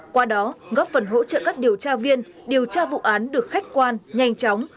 qua đó góp phần hỗ trợ các điều tra viên điều tra vụ án được khách quan nhanh chóng